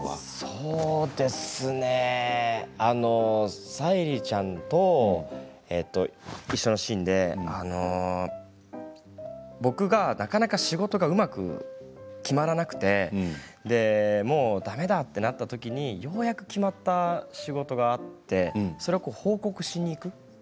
そうですね沙莉ちゃんと一緒のシーンであの僕がなかなか仕事がうまく決まらなくてもうだめだとなったときに、ようやく決まった仕事があってそれを報告しに行く。